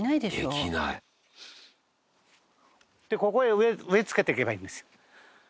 「できない」でここへ植え付けていけばいいんですよ。